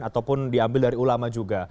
ataupun diambil dari ulama juga